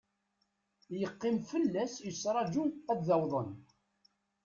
Yeqqim fell-as yettraju ad d-awḍen.